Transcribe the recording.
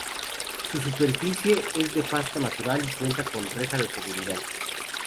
Su superficie es de pasto natural y cuenta con reja de seguridad.